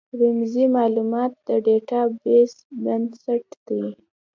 رمزي مالومات د ډیټا بیس بنسټ دی.